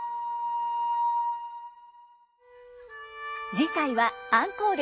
次回はアンコール。